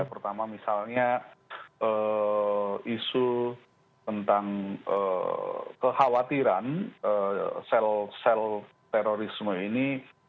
pertama misalnya isu tentang kekhawatiran sel sel terorisme ini